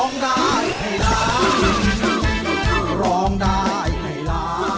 คือร้องได้ให้ร้าง